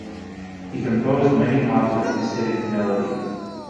He composed many popular Hasidic melodies.